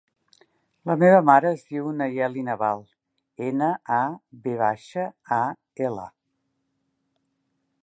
La meva mare es diu Nayeli Naval: ena, a, ve baixa, a, ela.